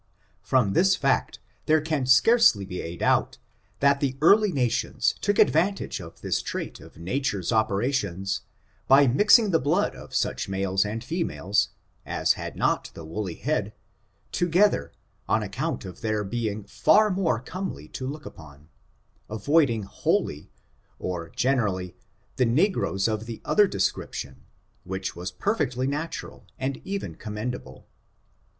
Prom this fact, there can scarcely be a doubt, that the early nations took advantage of this trait cf na ture's operations, by mixing the blood of such males and females, as had not the woolly head, together, on ac count of their being far more comely to look upon, aroiding wholly, or generally, the negroes of the other description, which was perfectly natural, and even commendable.